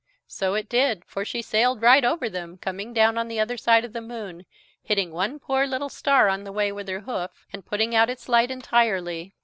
So it did, for she sailed right over them, coming down on the other side of the moon, hitting one poor little star on the way with her hoof, and putting out its light entirely.